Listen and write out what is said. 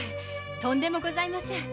とんでもございません。